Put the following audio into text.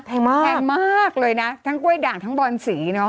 แพงมากเลยนะทั้งกล้วยด่างทั้งบอนสี